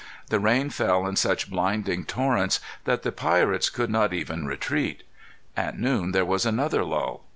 The rain fell in such blinding torrents that the pirates could not even retreat. At noon there was another lull.